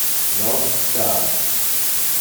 Non star.